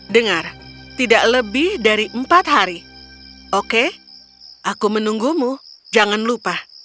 dengar tidak lebih dari empat hari oke aku menunggumu jangan lupa